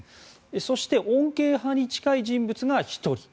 そして穏健派に近い人物が１人。